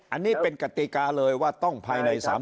อันนี้เป็นกติกาเลยว่าต้องภายใน๓๐